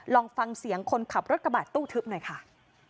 ลองฟังเสียงคนขับรถกระบะตู้ทึบหน่อยค่ะ